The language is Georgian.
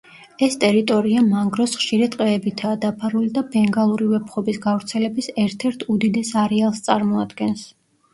ეს ტერიტორია მანგროს ხშირი ტყეებითაა დაფარული და ბენგალური ვეფხვების გავრცელების ერთ-ერთ უდიდეს არეალს წარმოადგენს.